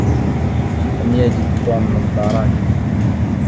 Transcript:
لم يجد توم نظاراته.